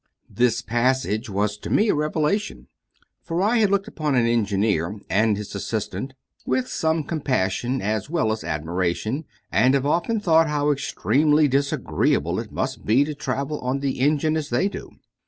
This passage was to me a revelation; for I had looked upon an engineer and his assistant with some compassion as well as admiration, and have often thought how extremely disagreeable it must be to travel on the engine as they do.